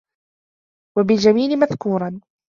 وَبِالْجَمِيلِ مَذْكُورًا